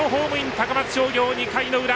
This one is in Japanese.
高松商業、２回の裏。